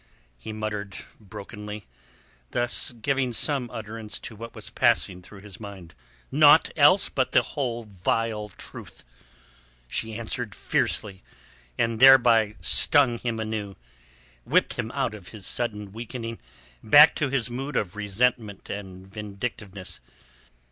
he muttered brokenly, thus giving some utterance to what was passing through his mind. "Naught else but the whole vile truth," she answered fiercely, and thereby stung him anew, whipped him out of his sudden weakening back to his mood of resentment and vindictiveness.